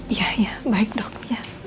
iya iya baik dok ya